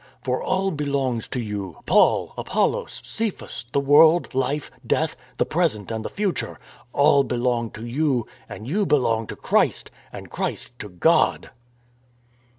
For all belongs to you; Paul, Apollos, Cephas, the world, life, death, the present and the future — all belong to you; and you belong to Christ, and Christ to God."